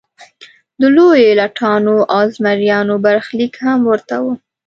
د لویو لټانو او زمریانو برخلیک هم ورته و.